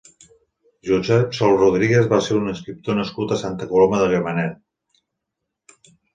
Josep Sol Rodríguez va ser un escriptor nascut a Santa Coloma de Gramenet.